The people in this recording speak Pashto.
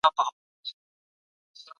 قصاص د ټولني د امن او سوکالۍ لپاره دی.